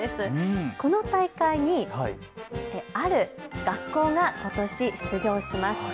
この大会にある学校がことし出場します。